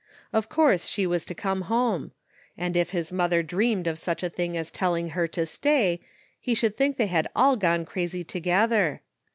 Of course she was to come home ; and if his mother dreamed of such a thing as telling her lo stay, he should think they had all gone crazy together.